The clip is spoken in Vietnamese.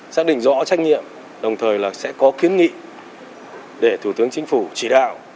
xác định rõ trách nhiệm đồng thời là sẽ có kiến nghị để thủ tướng chính phủ chỉ đạo